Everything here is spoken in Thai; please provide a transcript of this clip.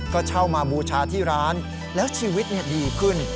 ก็เช่ามาบูชาที่ร้านแล้วชีวิตดีขึ้น